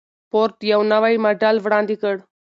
فورډ یو نوی ماډل وړاندې کړ.